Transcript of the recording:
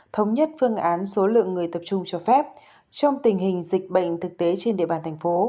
thống nhất phương án số lượng người tập trung cho phép trong tình hình dịch bệnh thực tế trên địa bàn thành phố